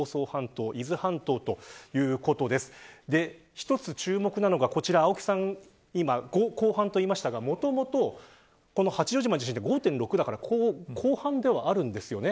一つ注目なのが青木さんが５後半と言いましたがもともと八丈島の地震は５．６だから後半ではあるんですよね。